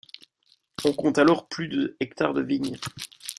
On compte alors plus de hectares de vignes.